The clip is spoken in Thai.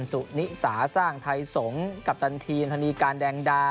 สุนิสาสร้างไทยสงศ์กัปตันทีมธนีการแดงดา